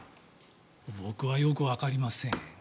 僕はよくわかりません。